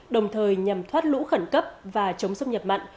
đồng thời nhằm thoát lũ khẩn cấp và chống xâm nhập mặn